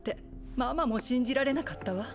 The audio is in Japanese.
ママも信じられなかったわ。